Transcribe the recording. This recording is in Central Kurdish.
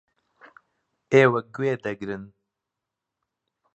ئێوە گوێ دەگرن.